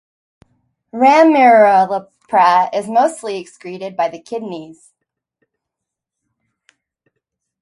Ramiprilat is mostly excreted by the kidneys.